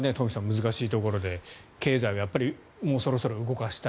難しいところで経済をもうそろそろ動かしたい。